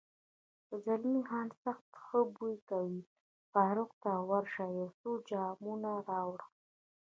زلمی خان: سخت ښه بوی کوي، فاروق، ته ورشه یو څو جامونه راوړه.